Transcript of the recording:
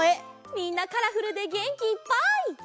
みんなカラフルでげんきいっぱい！